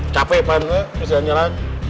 capek pak ini si anjaran